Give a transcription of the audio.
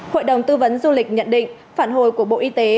hội đồng tư vấn du lịch nhận định phản hồi của bộ y tế